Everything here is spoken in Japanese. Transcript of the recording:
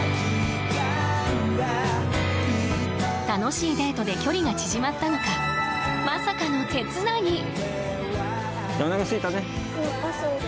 楽しいデートで距離が縮まったのかまさかの手つなぎ。